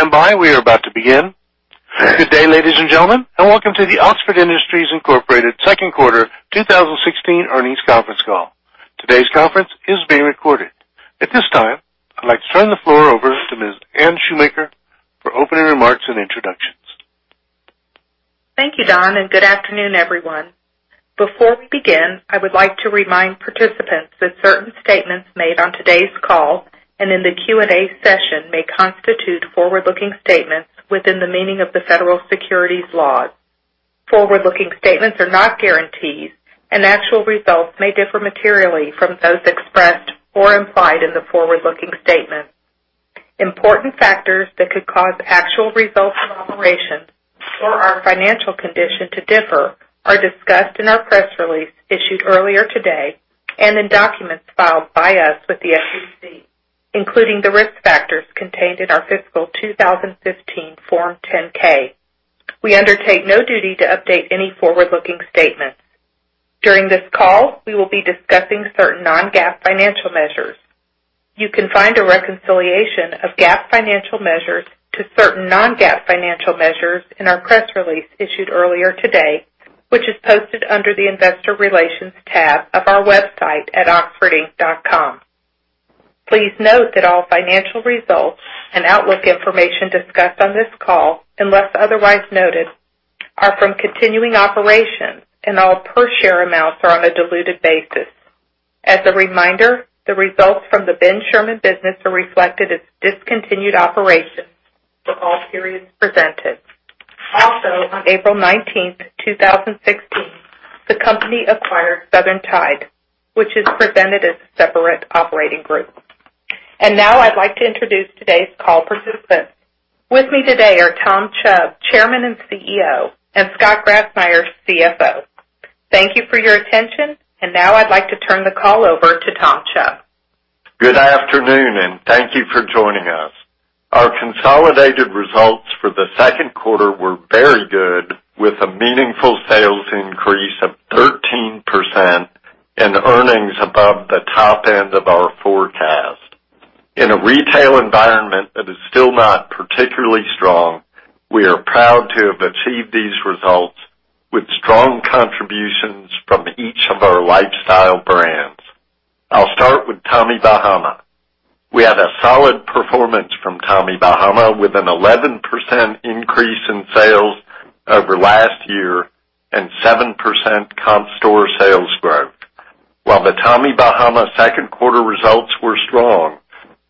Please stand by. We are about to begin. Good day, ladies and gentlemen, and welcome to the Oxford Industries Incorporated second quarter 2016 earnings conference call. Today's conference is being recorded. At this time, I'd like to turn the floor over to Ms. Anne Shoemaker for opening remarks and introductions. Thank you, Don. Good afternoon, everyone. Before we begin, I would like to remind participants that certain statements made on today's call and in the Q&A session may constitute forward-looking statements within the meaning of the federal securities laws. Forward-looking statements are not guarantees. Actual results may differ materially from those expressed or implied in the forward-looking statements. Important factors that could cause actual results of operations or our financial condition to differ are discussed in our press release issued earlier today and in documents filed by us with the SEC, including the risk factors contained in our fiscal 2015 Form 10-K. We undertake no duty to update any forward-looking statements. During this call, we will be discussing certain non-GAAP financial measures. You can find a reconciliation of GAAP financial measures to certain non-GAAP financial measures in our press release issued earlier today, which is posted under the investor relations tab of our website at oxfordinc.com. Please note that all financial results and outlook information discussed on this call, unless otherwise noted, are from continuing operations. All per share amounts are on a diluted basis. As a reminder, the results from the Ben Sherman business are reflected as discontinued operations for all periods presented. Also, on April 19th, 2016, the company acquired Southern Tide, which is presented as a separate operating group. Now I'd like to introduce today's call participants. With me today are Tom Chubb, Chairman and CEO, and Scott Grassmyer, CFO. Thank you for your attention. Now I'd like to turn the call over to Tom Chubb. Good afternoon. Thank you for joining us. Our consolidated results for the second quarter were very good, with a meaningful sales increase of 13% and earnings above the top end of our forecast. In a retail environment that is still not particularly strong, we are proud to have achieved these results with strong contributions from each of our lifestyle brands. I'll start with Tommy Bahama. We had a solid performance from Tommy Bahama, with an 11% increase in sales over last year and 7% comp store sales growth. While the Tommy Bahama second quarter results were strong,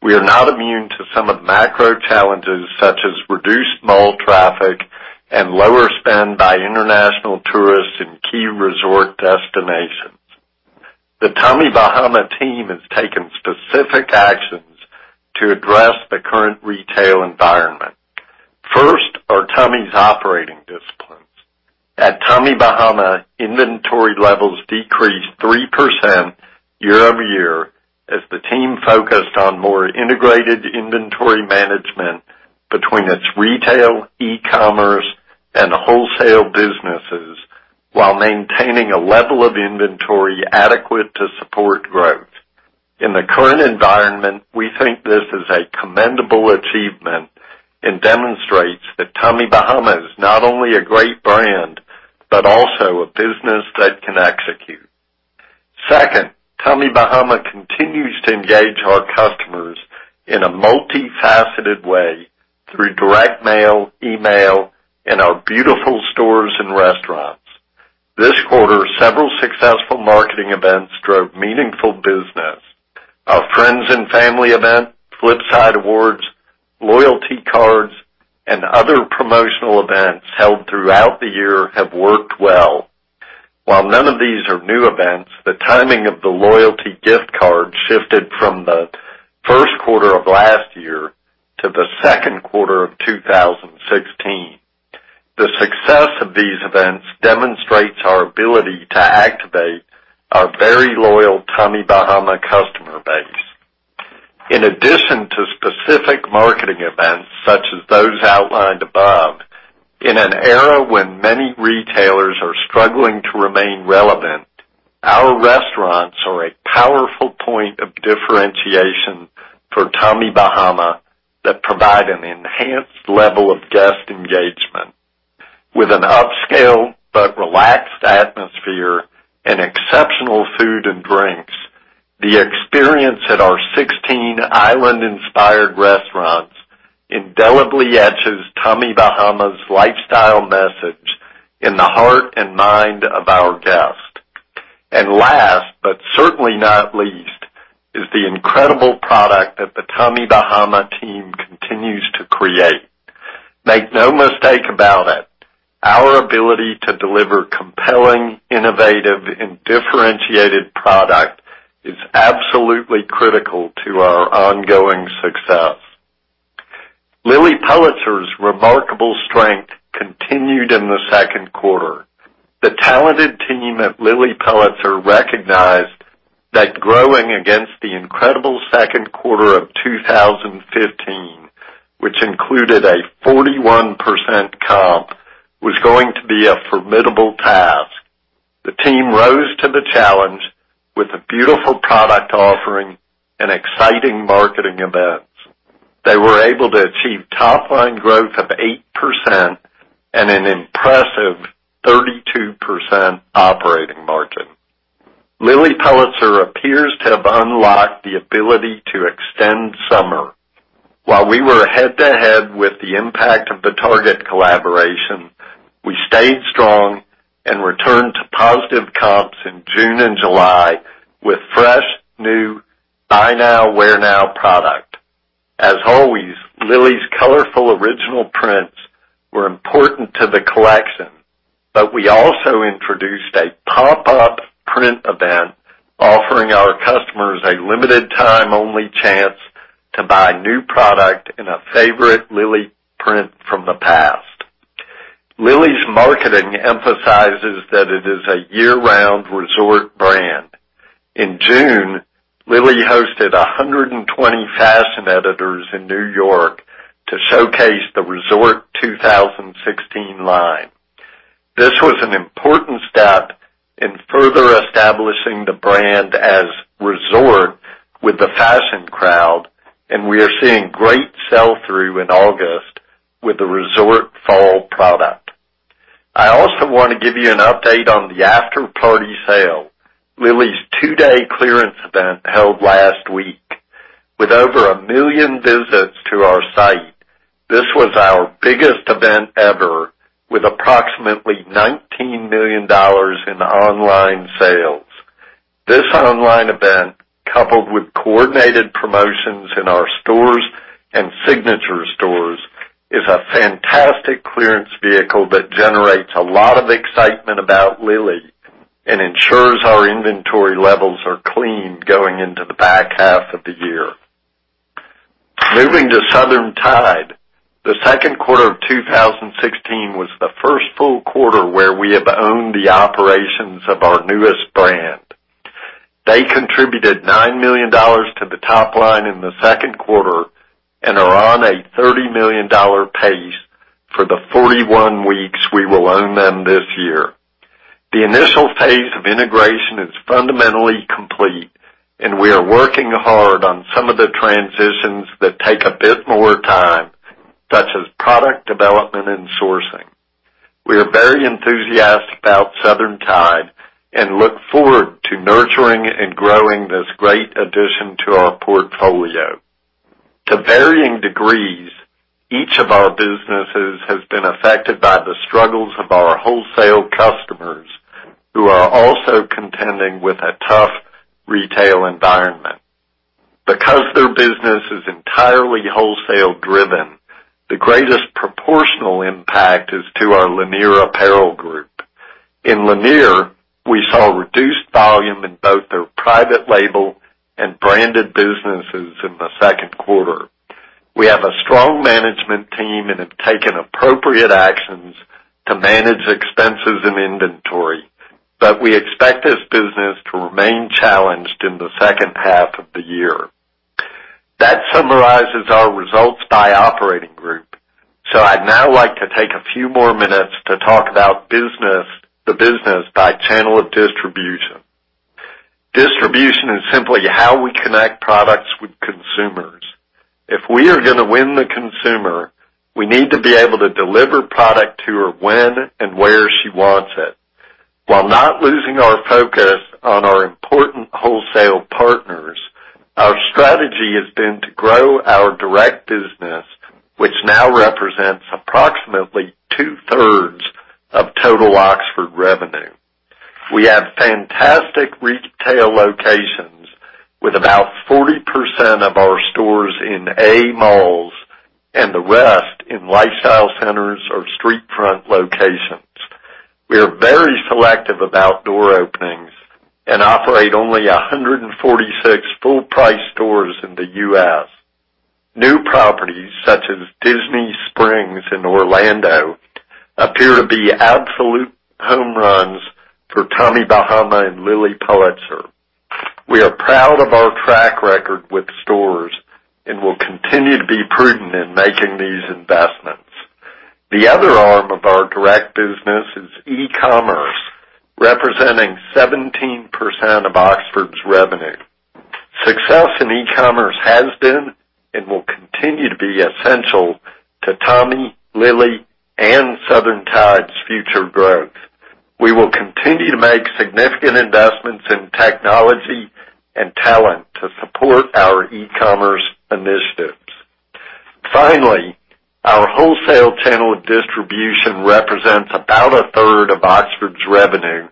we are not immune to some of the macro challenges such as reduced mall traffic and lower spend by international tourists in key resort destinations. The Tommy Bahama team has taken specific actions to address the current retail environment. First are Tommy's operating disciplines. At Tommy Bahama, inventory levels decreased 3% year-over-year as the team focused on more integrated inventory management between its retail, e-commerce, and wholesale businesses, while maintaining a level of inventory adequate to support growth. In the current environment, we think this is a commendable achievement and demonstrates that Tommy Bahama is not only a great brand, but also a business that can execute. Tommy Bahama continues to engage our customers in a multifaceted way through direct mail, email, and our beautiful stores and restaurants. This quarter, several successful marketing events drove meaningful business. Our friends and family event, Flipside Awards, loyalty cards, and other promotional events held throughout the year have worked well. While none of these are new events, the timing of the loyalty gift card shifted from the first quarter of last year to the second quarter of 2016. The success of these events demonstrates our ability to activate our very loyal Tommy Bahama customer base. In addition to specific marketing events such as those outlined above, in an era when many retailers are struggling to remain relevant, our restaurants are a powerful point of differentiation for Tommy Bahama that provide an enhanced level of guest engagement. With an upscale but relaxed atmosphere and exceptional food and drinks, the experience at our 16 island-inspired restaurants indelibly etches Tommy Bahama's lifestyle message in the heart and mind of our guest. Last, but certainly not least, is the incredible product that the Tommy Bahama team continues to create. Make no mistake about it, our ability to deliver compelling, innovative, and differentiated product is absolutely critical to our ongoing success. Lilly Pulitzer's remarkable strength continued in the second quarter. The talented team at Lilly Pulitzer recognized that growing against the incredible second quarter of 2015, which included a 41% Be a formidable task. The team rose to the challenge with a beautiful product offering and exciting marketing events. They were able to achieve top-line growth of 8% and an impressive 32% operating margin. Lilly Pulitzer appears to have unlocked the ability to extend summer. While we were head-to-head with the impact of the Target collaboration, we stayed strong and returned to positive comps in June and July with fresh, new buy now, wear now product. As always, Lilly's colorful original prints were important to the collection, but we also introduced a pop-up print event offering our customers a limited time only chance to buy new product in a favorite Lilly print from the past. Lilly's marketing emphasizes that it is a year-round resort brand. In June, Lilly hosted 120 fashion editors in New York to showcase the Resort 2016 line. This was an important step in further establishing the brand as resort with the fashion crowd, and we are seeing great sell-through in August with the Resort fall product. I also want to give you an update on the after-party sale, Lilly's two-day clearance event held last week. With over 1 million visits to our site, this was our biggest event ever, with approximately $19 million in online sales. This online event, coupled with coordinated promotions in our stores and signature stores, is a fantastic clearance vehicle that generates a lot of excitement about Lilly and ensures our inventory levels are clean going into the back half of the year. Moving to Southern Tide, the second quarter of 2016 was the first full quarter where we have owned the operations of our newest brand. They contributed $9 million to the top line in the second quarter and are on a $30 million pace for the 41 weeks we will own them this year. The initial phase of integration is fundamentally complete, and we are working hard on some of the transitions that take a bit more time, such as product development and sourcing. We are very enthusiastic about Southern Tide and look forward to nurturing and growing this great addition to our portfolio. To varying degrees, each of our businesses has been affected by the struggles of our wholesale customers, who are also contending with a tough retail environment. Because their business is entirely wholesale-driven, the greatest proportional impact is to our Lanier Apparel Group. In Lanier, we saw reduced volume in both their private label and branded businesses in the second quarter. We have a strong management team and have taken appropriate actions to manage expenses and inventory, but we expect this business to remain challenged in the second half of the year. That summarizes our results by operating group. I'd now like to take a few more minutes to talk about the business by channel of distribution. Distribution is simply how we connect products with consumers. If we are going to win the consumer, we need to be able to deliver product to her when and where she wants it. While not losing our focus on our important wholesale partners, our strategy has been to grow our direct business, which now represents approximately two-thirds of total Oxford revenue. We have fantastic retail locations, with about 40% of our stores in A malls and the rest in lifestyle centers or street front locations. We are very selective about door openings and operate only 146 full-price stores in the U.S. New properties, such as Disney Springs in Orlando, appear to be absolute home runs for Tommy Bahama and Lilly Pulitzer. We are proud of our track record with stores and will continue to be prudent in making these investments. The other arm of our direct business is e-commerce, representing 17% of Oxford's revenue. Success in e-commerce has been and will continue to be essential to Tommy, Lilly, and Southern Tide's future growth. We will continue to make significant investments in technology and talent to support our e-commerce initiatives. Finally, our wholesale channel of distribution represents about a third of Oxford's revenue,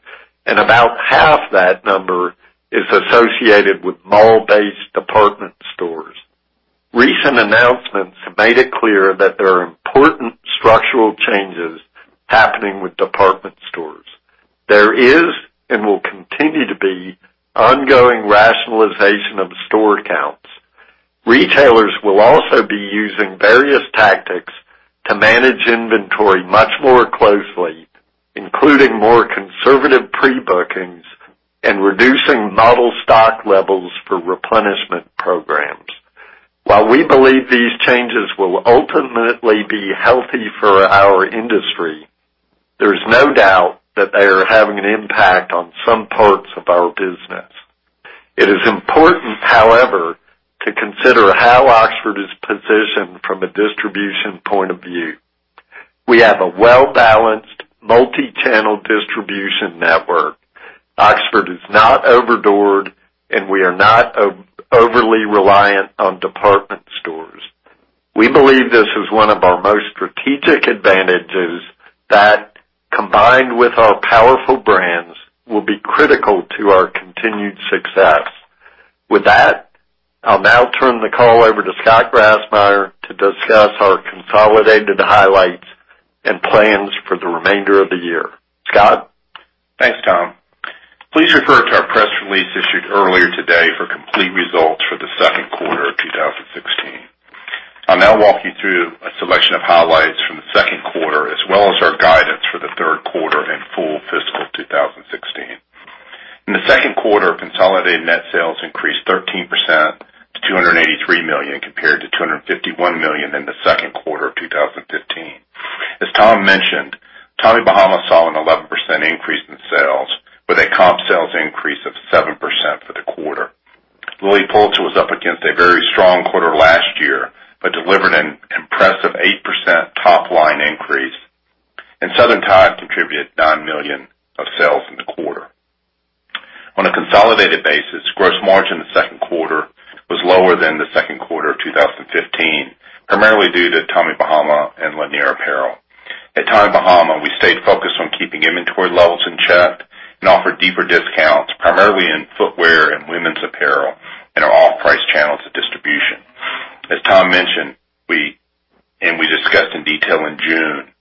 and about half that number is associated with mall-based department stores. Recent announcements have made it clear that there are important structural changes happening with department stores. There is and will continue to be ongoing rationalization of store counts. Retailers will also be using various tactics to manage inventory much more closely, including more conservative pre-bookings and reducing model stock levels for replenishment. While we believe these changes will ultimately be healthy for our industry, there's no doubt that they are having an impact on some parts of our business. It is important, however, to consider how Oxford is positioned from a distribution point of view. We have a well-balanced, multi-channel distribution network. Oxford is not overdoored, and we are not overly reliant on department stores. We believe this is one of our most strategic advantages that, combined with our powerful brands, will be critical to our continued success. With that, I'll now turn the call over to Scott Grassmyer to discuss our consolidated highlights and plans for the remainder of the year. Scott? Thanks, Tom. Please refer to our press release issued earlier today for complete results for the second quarter of 2016. I'll now walk you through a selection of highlights from the second quarter, as well as our guidance for the third quarter and full fiscal 2016. In the second quarter, consolidated net sales increased 13% to $283 million, compared to $251 million in the second quarter of 2015. As Tom mentioned, Tommy Bahama saw an 11% increase in sales with a comp sales increase of 7% for the quarter. Lilly Pulitzer was up against a very strong quarter last year, but delivered an impressive 8% top-line increase, and Southern Tide contributed $9 million of sales in the quarter. On a consolidated basis, gross margin in the second quarter was lower than the second quarter of 2015, primarily due to Tommy Bahama and Lanier Apparel. At Tommy Bahama, we stayed focused on keeping inventory levels in check and offered deeper discounts, primarily in footwear and women's apparel in our off-price channels of distribution. As Tom mentioned, and we discussed in detail in June,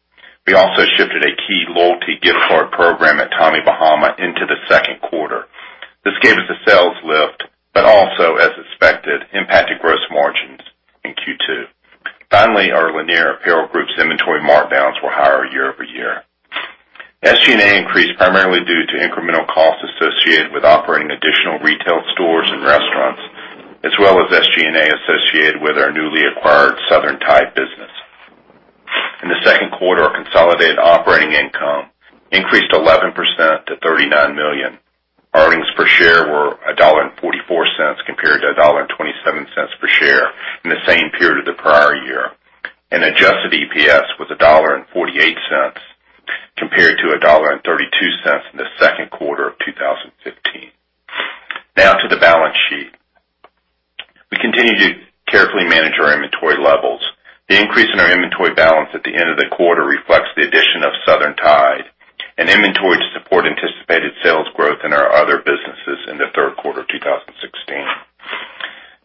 we also shifted a key loyalty gift card program at Tommy Bahama into the second quarter. This gave us a sales lift, but also, as expected, impacted gross margins in Q2. Finally, our Lanier Apparel Group's inventory markdowns were higher year-over-year. SG&A increased primarily due to incremental costs associated with operating additional retail stores and restaurants, as well as SG&A associated with our newly acquired Southern Tide business. In the second quarter, consolidated operating income increased 11% to $39 million. Earnings per share were $1.44 compared to $1.27 per share in the same period of the prior year. Adjusted EPS was $1.48 compared to $1.32 in the second quarter of 2015. Now to the balance sheet. We continue to carefully manage our inventory levels. The increase in our inventory balance at the end of the quarter reflects the addition of Southern Tide and inventory to support anticipated sales growth in our other businesses in the third quarter of 2016.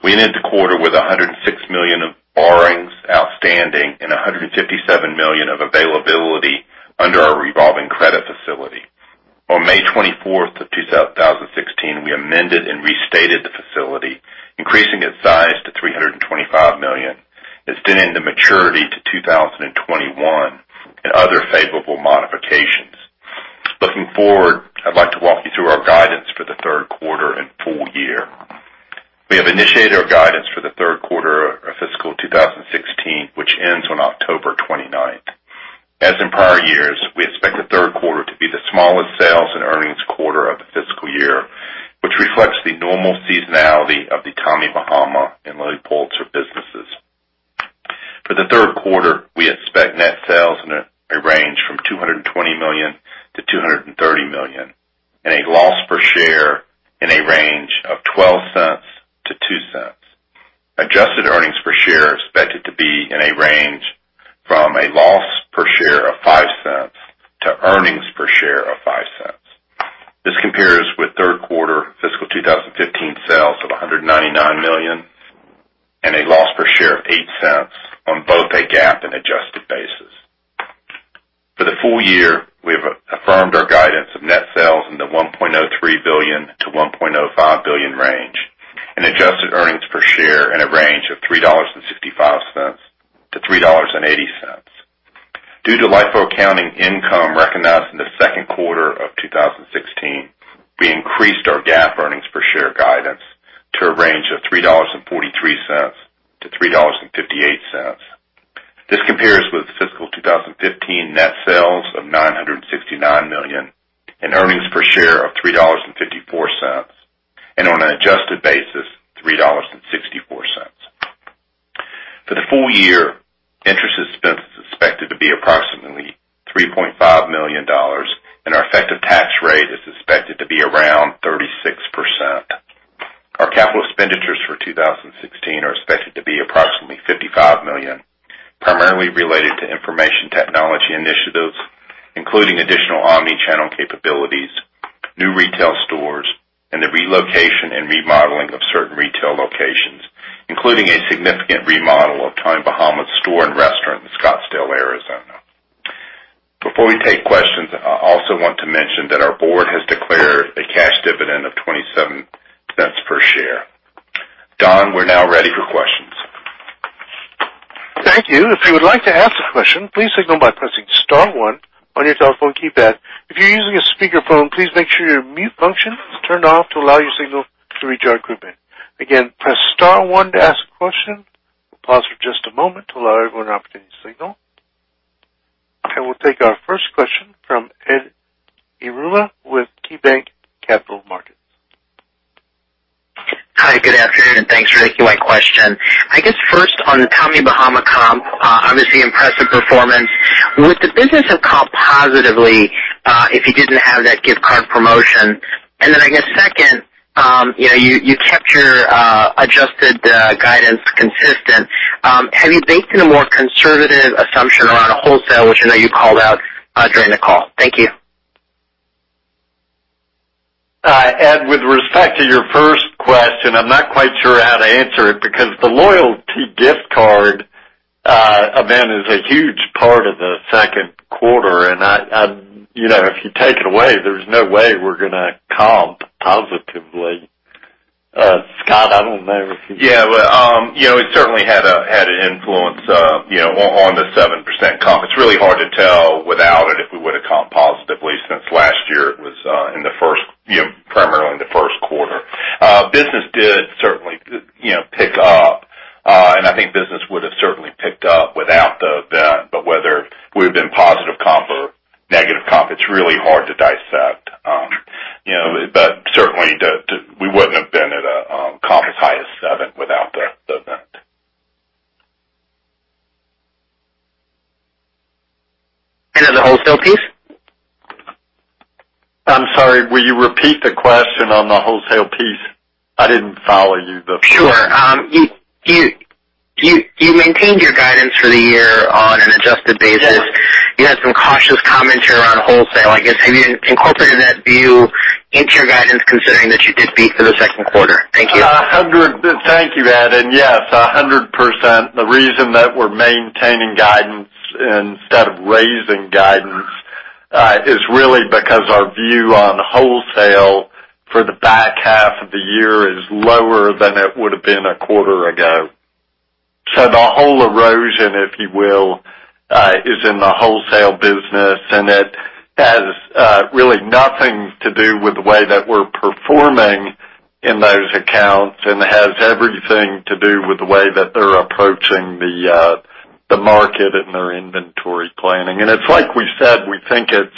We ended the quarter with $106 million of borrowings outstanding and $157 million of availability under our revolving credit facility. On May 24th of 2016, we amended and restated the facility, increasing its size to $325 million, extended the maturity to 2021 and other favorable modifications. Looking forward, I'd like to walk you through our guidance for the third quarter and full year. We have initiated our guidance for the third quarter of fiscal 2016, which ends on October 29th. As in prior years, we expect the third quarter to be the smallest sales and earnings quarter of the fiscal year, which reflects the normal seasonality of the Tommy Bahama and Lilly Pulitzer businesses. For the third quarter, we expect net sales in a range from $220 million-$230 million and a loss per share in a range of $0.12-$0.02. Adjusted earnings per share are expected to be in a range from a loss per share of $0.05 to earnings per share of $0.05. This compares with third quarter fiscal 2015 sales of $199 million and a loss per share of $0.08 on both a GAAP and adjusted basis. For the full year, we have affirmed our guidance of net sales in the $1.03 billion-$1.05 billion range and adjusted earnings per share in a range of $3.65 to $3.80. Due to LIFO accounting income recognized in the second quarter of 2016, we increased our GAAP earnings per share guidance to a range of $3.43-$3.58. This compares with fiscal 2015 net sales of $969 million and earnings per share of $3.54, and on an adjusted basis, $3.64. For the full year, interest expense is expected to be approximately $3.5 million, and our effective tax rate is expected to be around 36%. Our capital expenditures for 2016 are expected to be approximately $55 million, primarily related to information technology initiatives, including additional omni-channel capabilities, new retail stores, and the relocation and remodeling of certain retail locations, including a significant remodel of Tommy Bahama's store and restaurant in Scottsdale, Arizona. Before we take questions, I also want to mention that our board has declared a cash dividend of $0.27 per share. Don, we're now ready for questions. Thank you. If you would like to ask a question, please signal by pressing star one on your telephone keypad. If you're using a speakerphone, please make sure your mute function is turned off to allow your signal to reach our equipment. Again, press star one to ask a question. We'll pause for just a moment to allow everyone an opportunity to signal. We'll take our first question from Edward Yruma with KeyBanc Capital Markets. Hi, good afternoon, and thanks for taking my question. I guess first on Tommy Bahama comp, obviously impressive performance. Would the business have comped positively, if you didn't have that gift card promotion? I guess second, you kept your adjusted guidance consistent. Have you baked in a more conservative assumption around wholesale, which I know you called out during the call? Thank you. Ed, with respect to your first question, I'm not quite sure how to answer it because the loyalty gift card event is a huge part of the second quarter, and if you take it away, there's no way we're going to comp positively. Scott, I don't know if you. Well, it certainly had an influence on the 7% comp. It's really hard to tell without it if we would've comped positively since last year it was primarily in the first quarter. Business did certainly pick up, and I think business would've certainly picked up without the event, but whether we would've been positive comp or negative comp, it's really hard to dissect. Certainly, we wouldn't have been at a comp as high as 7 without the event. On the wholesale piece? I'm sorry, will you repeat the question on the wholesale piece? I didn't follow you the first time. Sure. You maintained your guidance for the year on an adjusted basis. Yes. You had some cautious commentary around wholesale, I guess. Have you incorporated that view into your guidance, considering that you did beat for the second quarter? Thank you. Thank you, Ed. Yes, 100%. The reason that we're maintaining guidance instead of raising guidance is really because our view on wholesale for the back half of the year is lower than it would've been a quarter ago. The whole erosion, if you will, is in the wholesale business, and it has really nothing to do with the way that we're performing in those accounts and has everything to do with the way that they're approaching the market and their inventory planning. It's like we said, we think it's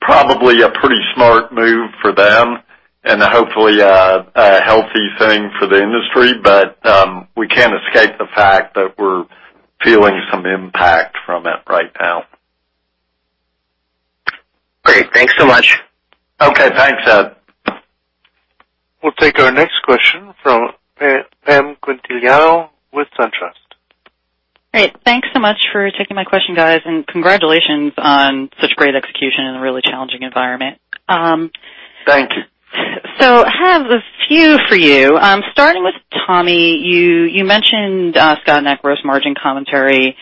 probably a pretty smart move for them and hopefully a healthy thing for the industry. We can't escape the fact that we're feeling some impact from it right now. Great. Thanks so much. Okay. Thanks, Ed. We'll take our next question from Pam Quintiliano with SunTrust. Great. Thanks so much for taking my question, guys, and congratulations on such great execution in a really challenging environment. Thank you. I have a few for you. Starting with Tommy, you mentioned, Scott, in that gross margin commentary,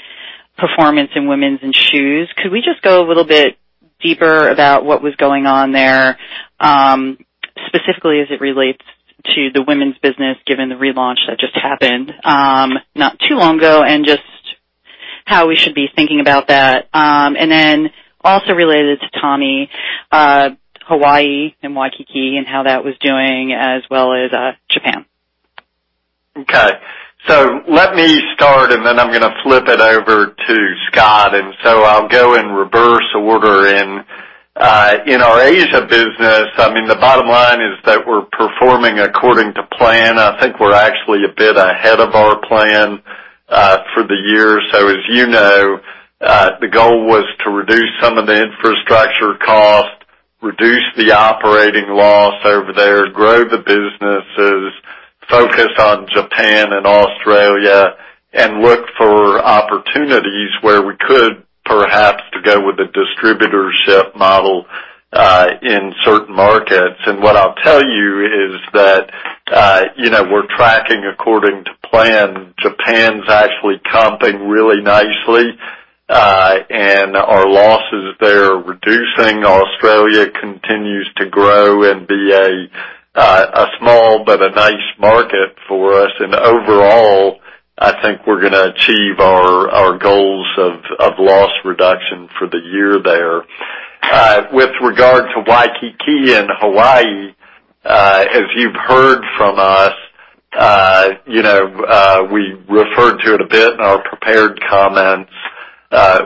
performance in women's and shoes. Could we just go a little bit deeper about what was going on there, specifically as it relates to the women's business, given the relaunch that just happened not too long ago, and just how we should be thinking about that? Also related to Tommy, Hawaii and Waikiki and how that was doing as well as Japan. Let me start, then I'm going to flip it over to Scott. I'll go in reverse order. In our Asia business, the bottom line is that we're performing according to plan. I think we're actually a bit ahead of our plan for the year. As you know, the goal was to reduce some of the infrastructure cost, reduce the operating loss over there, grow the businesses, focus on Japan and Australia, and look for opportunities where we could perhaps to go with a distributorship model, in certain markets. What I'll tell you is that we're tracking according to plan. Japan's actually comping really nicely, and our losses there are reducing. Australia continues to grow and be a small but a nice market for us. Overall, I think we're going to achieve our goals of loss reduction for the year there. With regard to Waikiki and Hawaii, as you've heard from us, we referred to it a bit in our prepared comments,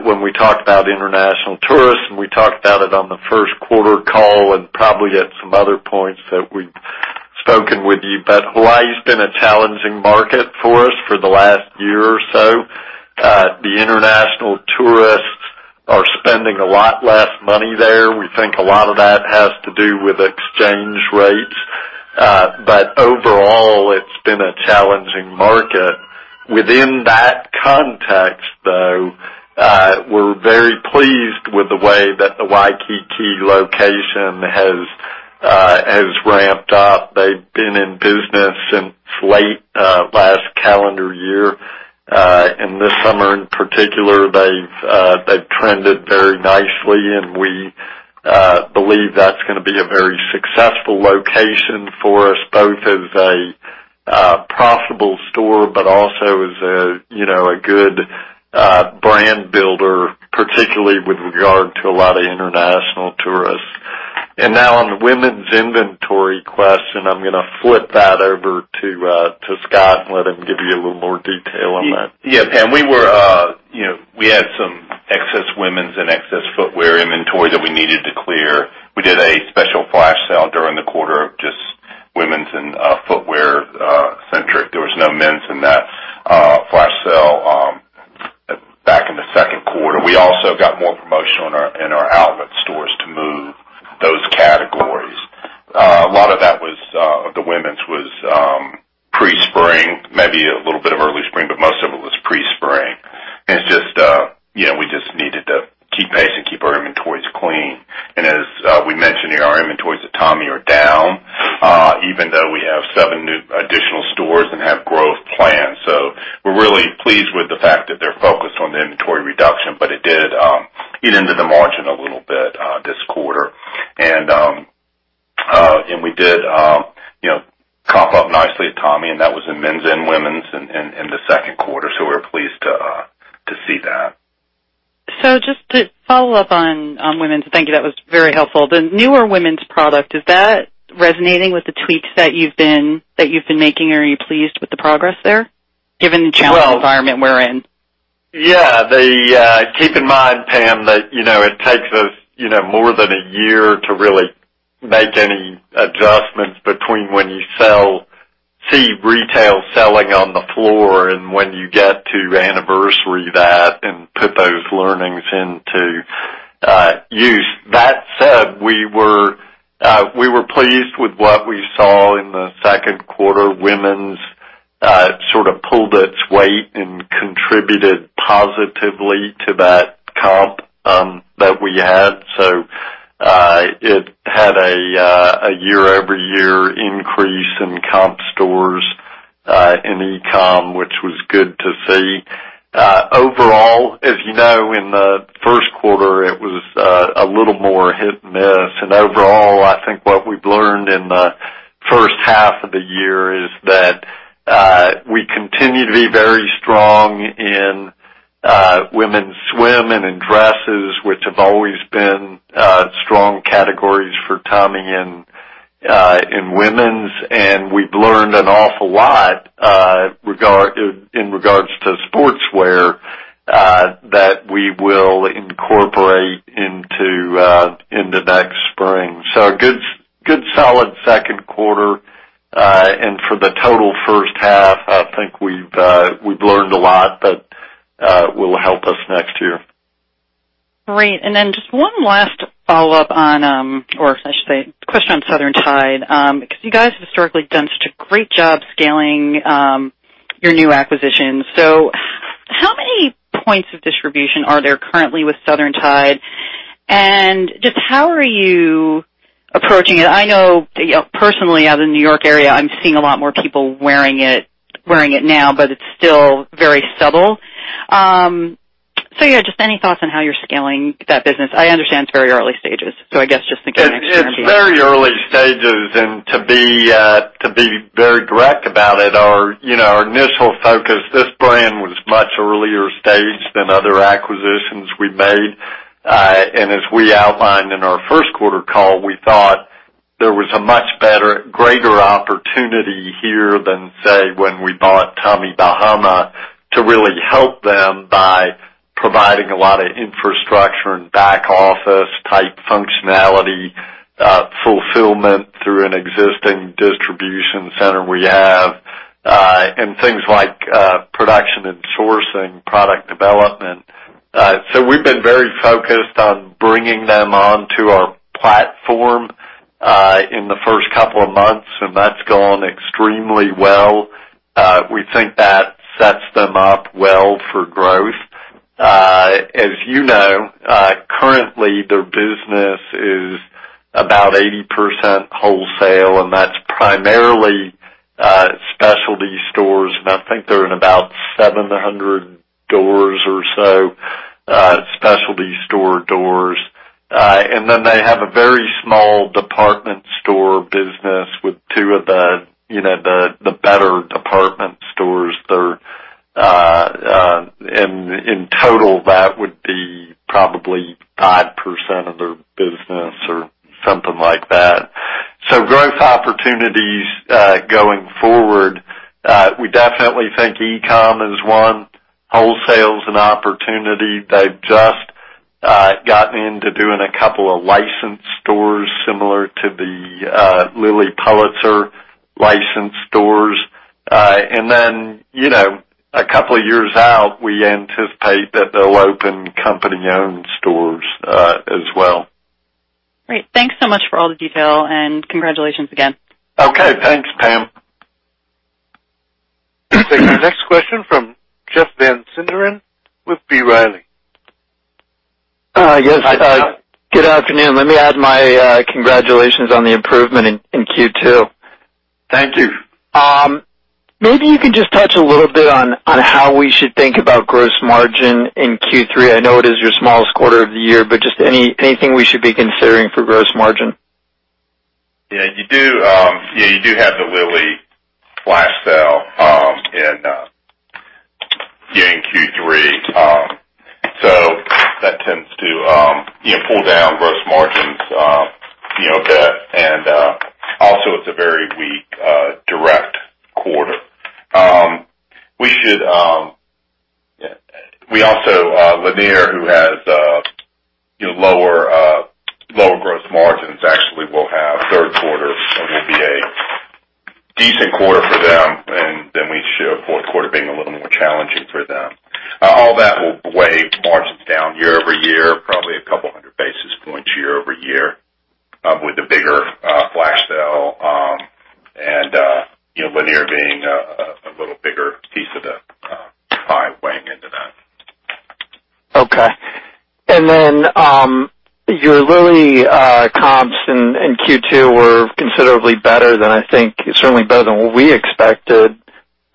when we talked about international tourists, and we talked about it on the first quarter call and probably at some other points that we've spoken with you. Hawaii's been a challenging market for us for the last year or so. The international tourists are spending a lot less money there. We think a lot of that has to do with exchange rates. Overall, it's been a challenging market. Within that context, though, we're very pleased with the way that the Waikiki location has ramped up. They've been in business since late last calendar year. This summer in particular, they've trended very nicely, and we believe that's going to be a very successful location for us, both as a profitable store, but also as a good brand builder, particularly with regard to a lot of international tourists. Now on the women's inventory question, I'm going to flip that over to Scott and let him give you a little more detail on that. Yeah, Pam, we had some excess women's and excess footwear inventory that we needed to clear. We did a special flash sale during the quarter of just women's and footwear centric. There was no men's in that flash sale back in the second quarter. We also got more promotional in our outlet stores to move those categories. A lot of that was the women's was pre-spring, maybe a little bit of early spring, but most of it was pre-spring, and we just needed to keep pace and keep our inventories clean. As we mentioned here, our inventories at Tommy Bahama are down, even though we have seven new additional stores and have growth plans. We're really pleased with the fact that they're focused on the inventory reduction, but it did eat into the margin a little bit this quarter. We did comp up nicely at Tommy, that was in men's and women's in the second quarter. We were pleased to see that. Just to follow up on women's. Thank you, that was very helpful. The newer women's product, is that resonating with the tweaks that you've been making? Are you pleased with the progress there, given the challenging environment we're in? Keep in mind, Pam, that it takes us more than a year to really make any adjustments between when you see retail selling on the floor and when you get to anniversary that and put those learnings into use. That said, we were pleased with what we saw in the second quarter. Women's sort of pulled its weight and contributed positively to that comp that we had. It had a year-over-year increase in comp stores in e-com, which was good to see. Overall, as you know, in the first quarter, it was a little more hit and miss. Overall, I think what we've learned in the first half of the year is that we continue to be very strong in women's swim and in dresses, which have always been strong categories for Tommy in women's. We've learned an awful lot in regards to sportswear that we will incorporate into next spring. A good, solid second quarter. For the total first half, I think we've learned a lot that will help us next year. Great. Just one last follow-up on or I should say question on Southern Tide. You guys have historically done such a great job scaling your new acquisitions. How many points of distribution are there currently with Southern Tide, and just how are you approaching it? I know personally out of the New York area, I'm seeing a lot more people wearing it now, but it's still very subtle. Just any thoughts on how you're scaling that business? I understand it's very early stages, so I guess just in case- It's very early stages. To be very direct about it, our initial focus, this brand was much earlier stage than other acquisitions we made. As we outlined in our first quarter call, we thought there was a much better, greater opportunity here than, say, when we bought Tommy Bahama to really help them by providing a lot of infrastructure and back office type functionality, fulfillment through an existing distribution center we have, and things like production and sourcing, product development. We've been very focused on bringing them onto our platform in the first couple of months, and that's gone extremely well. We think that sets them up well for growth. Currently their business is about 80% wholesale, and that's primarily specialty stores. I think they're in about 700 doors or so, specialty store doors. They have a very small department store business with two of the better department stores. In total, that would be probably 5% of their business or something like that. Growth opportunities going forward, we definitely think e-com is one. Wholesale's an opportunity. They've just gotten into doing a couple of licensed stores similar to the Lilly Pulitzer licensed stores. A couple of years out, we anticipate that they'll open company-owned stores as well. Great. Thanks so much for all the detail. Congratulations again. Okay. Thanks, Pam. We'll take our next question from Jeff Van Sinderen with B. Riley. Yes. Good afternoon. Let me add my congratulations on the improvement in Q2. Thank you. Maybe you can just touch a little bit on how we should think about gross margin in Q3. I know it is your smallest quarter of the year, but just anything we should be considering for gross margin? Yeah, you do have the Lilly flash sale in Q3. That tends to pull down gross margins, and also it's a very weak direct quarter. Lanier, who has lower gross margins, actually will have third quarter, so it will be a decent quarter for them, and then we show fourth quarter being a little more challenging for them. All that will weigh margins down year-over-year, probably a couple hundred basis points year-over-year with the bigger flash sale, and Lanier being a little bigger piece of the pie weighing into that. Okay. Your Lilly comps in Q2 were considerably better than I think, certainly better than what we expected.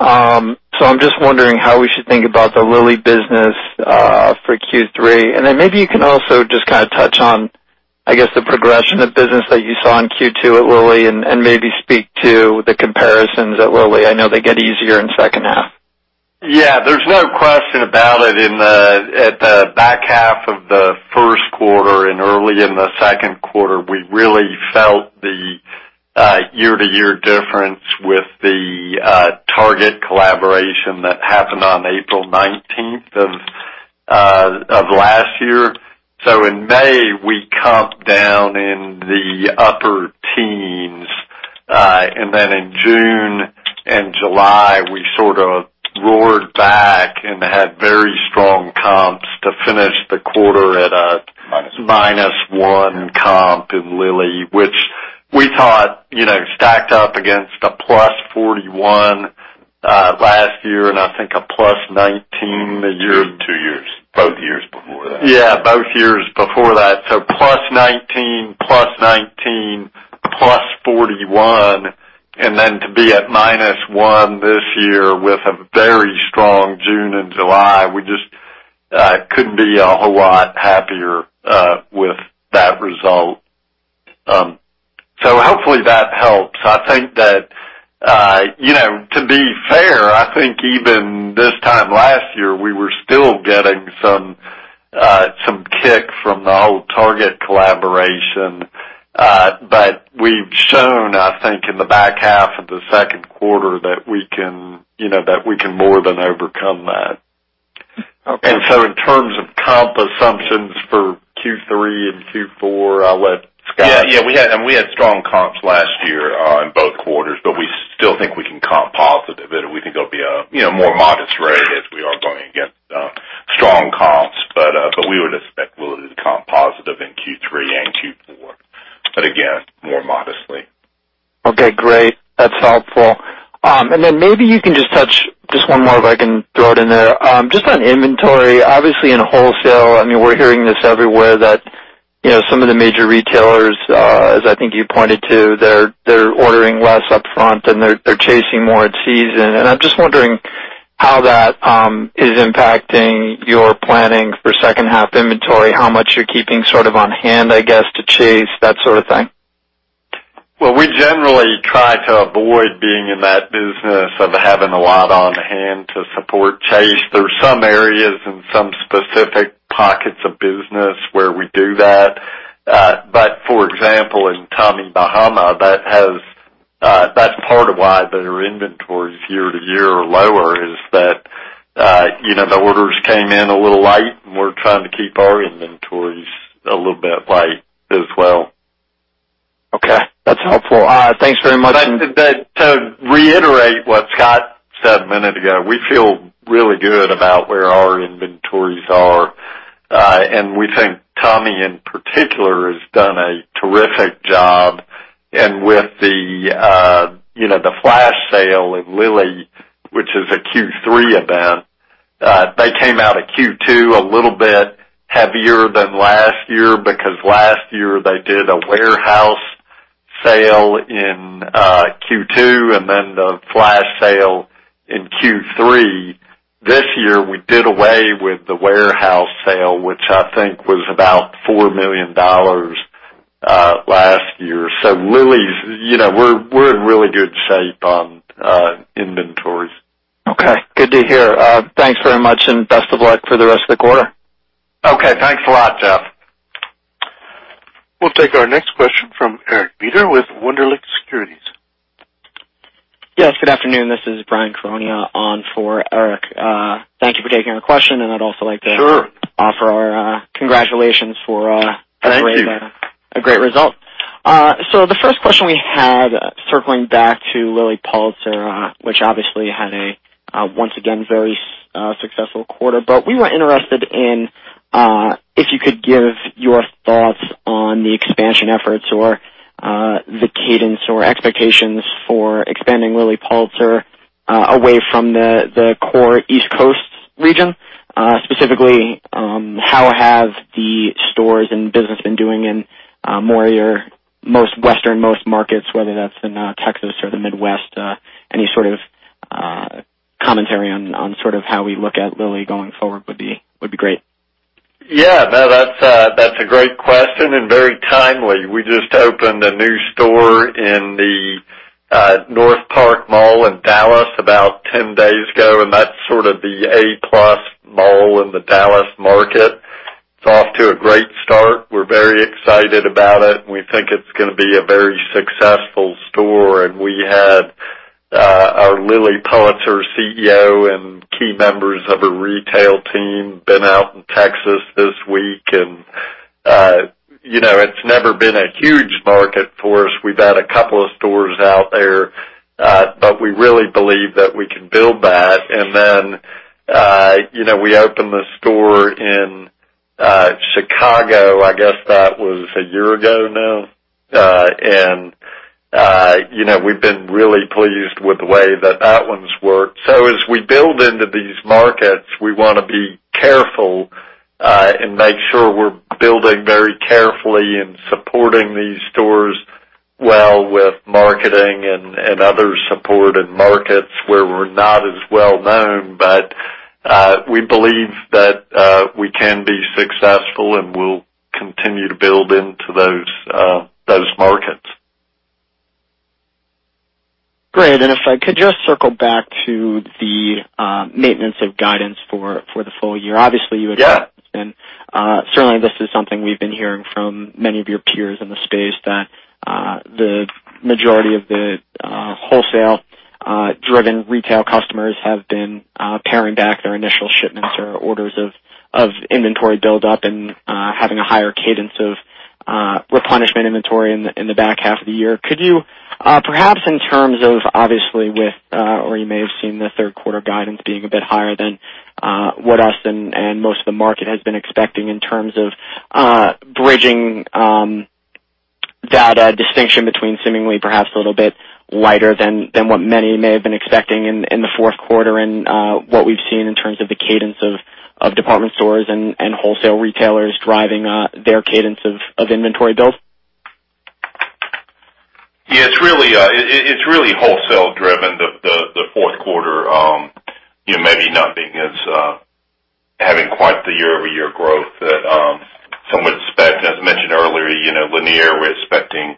I'm just wondering how we should think about the Lilly business for Q3. Maybe you can also just touch on, I guess, the progression of business that you saw in Q2 at Lilly and maybe speak to the comparisons at Lilly. I know they get easier in the second half. Yeah. There's no question about it. At the back half of the first quarter and early in the second quarter, we really felt the year-to-year difference with the Target collaboration that happened on April 19th of last year. In May, we comped down in the upper teens, in June and July, we sort of roared back and had very strong comps to finish the quarter. Minus Minus one comp in Lilly, which we thought stacked up against a plus 41 last year and I think a plus 19. Two years. Both years before that. Yeah, both years before that. Plus 19, plus 19, plus 41, and then to be at minus one this year with a very strong June and July, we just couldn't be a whole lot happier with that result. Hopefully that helps. To be fair, I think even this time last year, we were still getting some kick from the old Target collaboration. We've shown, I think, in the back half of the second quarter that we can more than overcome that. Okay. In terms of comp assumptions for Q3 and Q4, I'll let Scott- Yeah. We had strong comps last year in both quarters, we still think we can comp positive. We think it'll be a more modest rate as we are going against strong comps. We would expect Lilly to comp positive in Q3 and Q4. Again, more modestly. Okay, great. That's helpful. Maybe you can just touch just one more if I can throw it in there. Just on inventory, obviously in wholesale, we're hearing this everywhere that some of the major retailers, as I think you pointed to, they're ordering less upfront and they're chasing more at season. I'm just wondering how that is impacting your planning for second half inventory, how much you're keeping sort of on hand, I guess, to chase, that sort of thing? Well, we generally try to avoid being in that business of having a lot on hand to support chase. There's some areas in some specific pockets of business where we do that. For example, in Tommy Bahama, that's part of why their inventories year to year are lower, is that the orders came in a little late, and we're trying to keep our inventories a little bit light as well. Okay. That's helpful. Thanks very much. To reiterate what Scott said a minute ago, we feel really good about where our inventories are. We think Tommy in particular has done a terrific job. With the flash sale at Lilly, which is a Q3 event, they came out of Q2 a little bit heavier than last year because last year they did a warehouse sale in Q2 and then the flash sale in Q3. This year, we did away with the warehouse sale, which I think was about $4 million last year. We're in really good shape on inventories. Okay. Good to hear. Thanks very much and best of luck for the rest of the quarter. Okay. Thanks a lot, Jeff. We'll take our next question from Eric Beder with Wunderlich Securities. Yes, good afternoon. This is Bryan Caronia on for Eric. Thank you for taking our question. Sure offer our congratulations for- Thank you a great result. The first question we had, circling back to Lilly Pulitzer, which obviously had a, once again, very successful quarter. We were interested in if you could give your thoughts on the expansion efforts or the cadence or expectations for expanding Lilly Pulitzer away from the core East Coast Region. Specifically, how have the stores and business been doing in more of your westernmost markets, whether that's in Texas or the Midwest? Any sort of commentary on how we look at Lilly going forward would be great. Yeah. No, that's a great question, and very timely. We just opened a new store in the North Park Mall in Dallas about 10 days ago, and that's sort of the A-plus mall in the Dallas market. It's off to a great start. We're very excited about it, and we think it's going to be a very successful store. We had our Lilly Pulitzer CEO and key members of her retail team been out in Texas this week. It's never been a huge market for us. We've had a couple of stores out there, we really believe that we can build that. We opened the store in Chicago, I guess that was a year ago now. We've been really pleased with the way that one's worked. As we build into these markets, we want to be careful and make sure we're building very carefully and supporting these stores well with marketing and other support in markets where we're not as well-known. We believe that we can be successful, and we'll continue to build into those markets. Great. If I could just circle back to the maintenance of guidance for the full year. Yeah. Obviously, certainly this is something we've been hearing from many of your peers in the space, that the majority of the wholesale-driven retail customers have been paring back their initial shipments or orders of inventory build-up and having a higher cadence of replenishment inventory in the back half of the year. Could you, perhaps in terms of, obviously with, or you may have seen the third quarter guidance being a bit higher than what us and most of the market has been expecting in terms of bridging that distinction between seemingly perhaps a little bit lighter than what many may have been expecting in the fourth quarter and what we've seen in terms of the cadence of department stores and wholesale retailers driving their cadence of inventory builds. It's really wholesale driven, the fourth quarter, maybe not being as having quite the year-over-year growth that some would expect. As I mentioned earlier, Lanier, we're expecting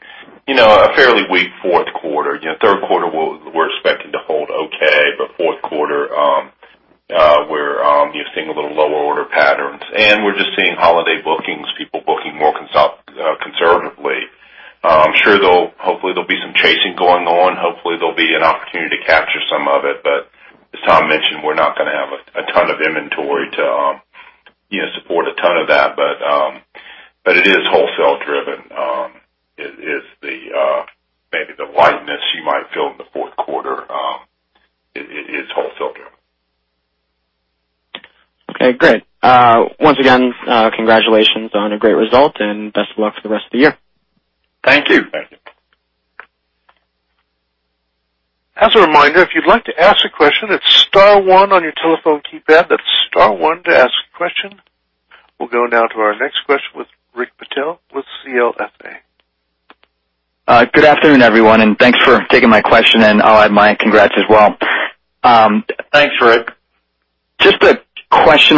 a fairly weak fourth quarter. Third quarter, we're expecting to hold okay, but fourth quarter, we're seeing a little lower order patterns. We're just seeing holiday bookings, people booking more conservatively. I'm sure hopefully there'll be some chasing going on. Hopefully there'll be an opportunity to capture some of it. As Tom mentioned, we're not going to have a ton of inventory to support a ton of that. It is wholesale driven. Maybe the lightness you might feel in the fourth quarter, it is wholesale driven. Okay, great. Once again, congratulations on a great result and best of luck for the rest of the year. Thank you. Thank you. As a reminder, if you'd like to ask a question, it's star one on your telephone keypad. That's star one to ask a question. We'll go now to our next question with Rick Patel with CLSA. Good afternoon, everyone, and thanks for taking my question, and I'll add my congrats as well. Thanks, Rick. Did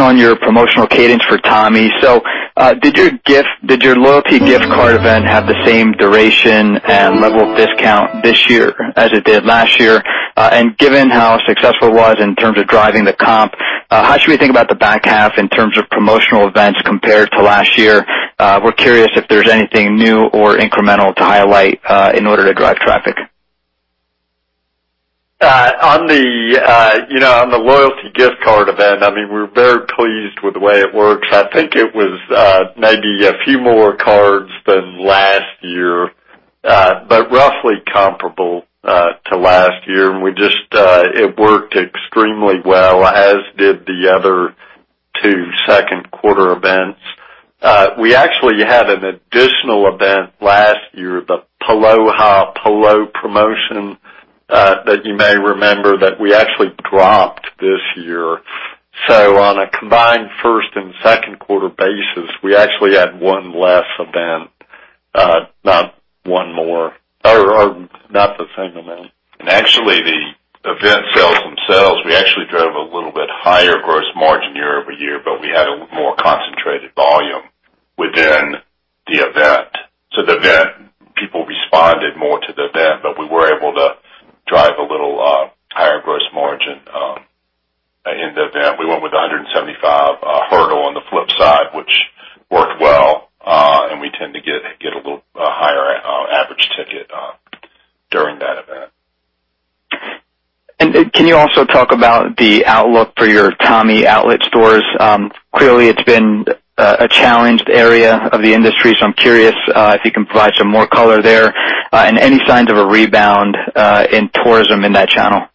your loyalty gift card event have the same duration and level of discount this year as it did last year? Given how successful it was in terms of driving the comp, how should we think about the back half in terms of promotional events compared to last year? We're curious if there's anything new or incremental to highlight in order to drive traffic. On the loyalty gift card event, we're very pleased with the way it works. I think it was maybe a few more cards than last year, but roughly comparable to last year. It worked extremely well, as did the other two second quarter events. We actually had an additional event last year, the Aloha Polo promotion, that you may remember, that we actually dropped this year. On a combined first and second quarter basis, we actually had one less event, not one more, or not the same amount. Actually, the event sales themselves, we actually drove a little bit higher gross margin year-over-year, but we had a more concentrated volume within the event. People responded more to the event, but we were able to drive a little higher gross margin in the event. We went with 175 hurdle on the Flipside, which worked well. We tend to get a little higher average ticket during that event. Can you also talk about the outlook for your Tommy outlet stores? Clearly, it's been a challenged area of the industry, I'm curious if you can provide some more color there, any signs of a rebound in tourism in that channel.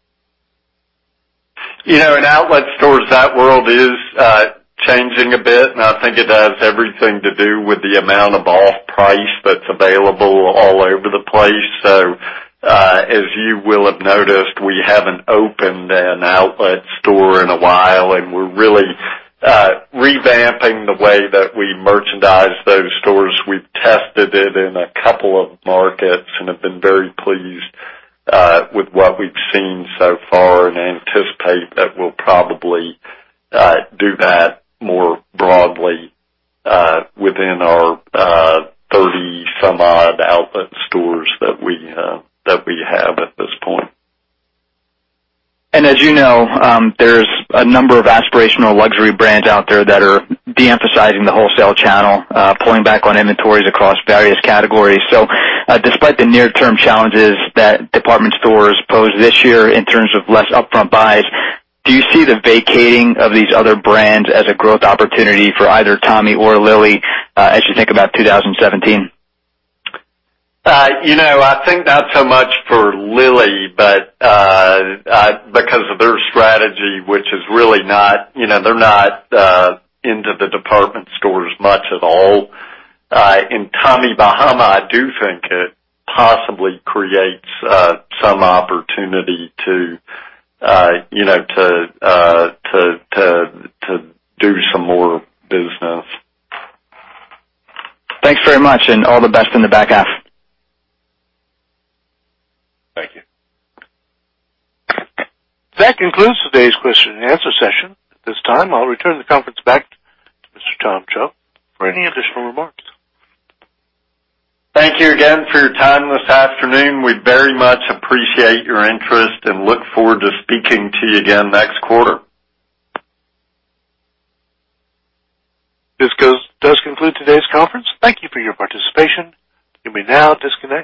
In outlet stores, that world is changing a bit, I think it has everything to do with the amount of off price that's available. You will have noticed we haven't opened an outlet store in a while, we're really revamping the way that we merchandise those stores. We've tested it in a couple of markets, have been very pleased with what we've seen so far, anticipate that we'll probably do that more broadly within our 30 some odd outlet stores that we have at this point. As you know, there's a number of aspirational luxury brands out there that are de-emphasizing the wholesale channel, pulling back on inventories across various categories. Despite the near-term challenges that department stores pose this year in terms of less upfront buys, do you see the vacating of these other brands as a growth opportunity for either Tommy or Lilly, as you think about 2017? I think not so much for Lilly, because of their strategy, they're not into the department stores much at all. In Tommy Bahama, I do think it possibly creates some opportunity to do some more business. Thanks very much, and all the best in the back half. Thank you. That concludes today's question and answer session. At this time, I'll return the conference back to Mr. Tom Chubb for any additional remarks. Thank you again for your time this afternoon. We very much appreciate your interest and look forward to speaking to you again next quarter. This does conclude today's conference. Thank you for your participation. You may now disconnect.